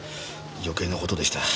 余計な事でした。